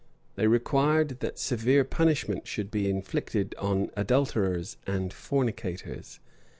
They required, that severe punishment should be inflicted on adulterers and fornicators.